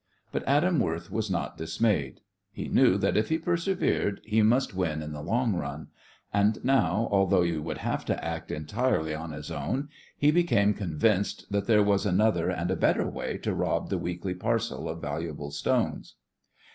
But Adam Worth was not dismayed. He knew that if he persevered he must win in the long run, and now, although he would have to act entirely on his own, he became convinced that there was another and a better way to rob the weekly parcel of valuable stones.